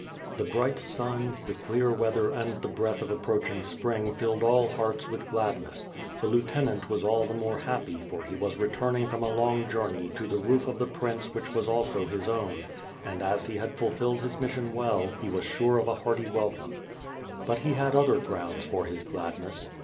The bright sun, the clear weather and the breath of ap proaching spring filled all hearts with gladness; the Lieu tenant was all the more happy for he was returning from a long journey to the roof of the prince which was also his own, and, as he had fulfilled his mission . well, he was sure of a hearty welcome. But he had other grounds for his gladness.